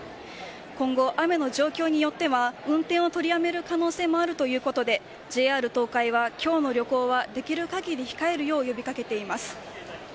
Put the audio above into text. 今後、雨の状況によっては運転を取りやめる可能性もあるということでＪＲ東海は今日の旅行はできる限り控えるよう呼びかけています。